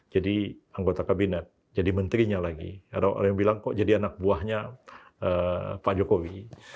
jadi anggota kabinet jadi menterinya lagi ada orang yang bilang kok jadi anak buahnya pak jokowi